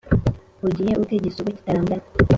ugiye ute gisigo kitarambirana?